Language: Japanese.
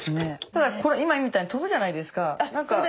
ただこれ今みたいに飛ぶじゃないですか。